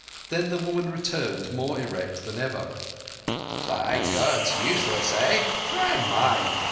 Then the woman returned, more erect than ever. "Thy Gods useless, heh? Try mine.